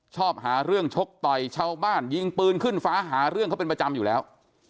ชอบหาเรื่องชกต่อยชาวบ้านยิงปืนขึ้นฟ้าหาเรื่องเขาเป็นประจำอยู่แล้ว